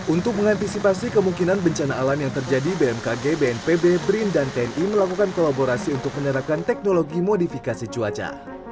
untuk mengantisipasi kemungkinan bencana alam yang terjadi bmkg bnpb brin dan tni melakukan kolaborasi untuk menerapkan teknologi modifikasi cuaca